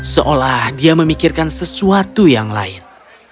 seolah dia memikirkan sesuatu yang lain